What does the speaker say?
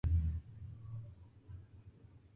Jugó en los clubes brasileños Goiás y Minas.